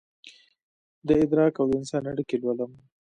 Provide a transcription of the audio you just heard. دادراک اودانسان اړیکې لولم